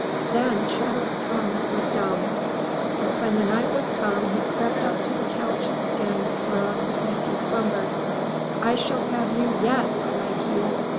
Then ChetTs tongue was dumb. But when the night was come, he crept up to the couch of skins whereon his nephew slumbered. "I shall have you yet!" cried he.